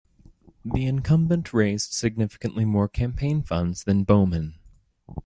The incumbent raised significantly more campaign funds than Bowman.